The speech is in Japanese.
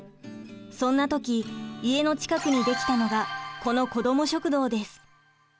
そんな時家の近くに出来たのがこの子ども食堂です。